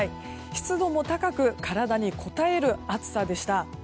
湿度も高く体にこたえる暑さでした。